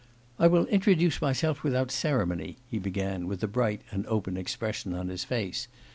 'I will introduce myself without ceremony,' he began with a bright and open expression on his face.